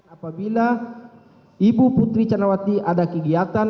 apabila ibu putri candrawati ada kegiatan